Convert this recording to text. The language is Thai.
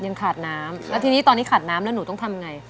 ยังขาดน้ำแล้วทีนี้ตอนนี้ขาดน้ำแล้วหนูต้องทำไง